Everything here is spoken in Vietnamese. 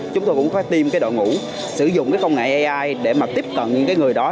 chúng tôi cũng phải tìm cái đội ngũ sử dụng cái công nghệ ai để mà tiếp cận những cái người đó